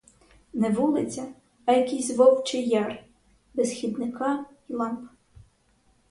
Не вулиця, а якийсь вовчий яр, без хідника й ламп.